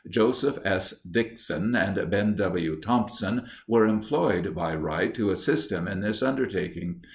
Joseph S. Dixon and Ben W. Thompson were employed by Wright to assist him in this undertaking.